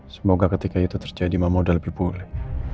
semoga ketika itu terjadi mama udah lebih pulih